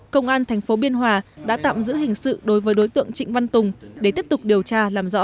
công an thành phố biên hòa đã tạm giữ hình sự đối với đối tượng trịnh văn tùng để tiếp tục điều tra